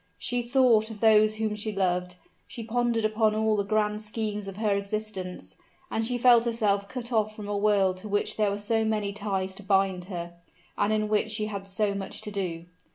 She thought of those whom she loved, she pondered upon all the grand schemes of her existence, and she felt herself cut off from a world to which there were so many ties to bind her, and in which she had so much to do.